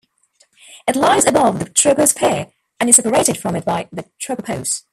It lies above the troposphere and is separated from it by the tropopause.